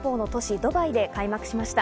ドバイで開幕しました。